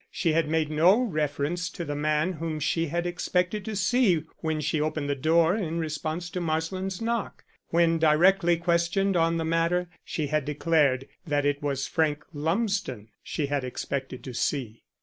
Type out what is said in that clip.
She had made no reference to the man whom she had expected to see when she opened the door in response to Marsland's knock. When directly questioned on the matter she had declared that it was Frank Lumsden she had expected to see.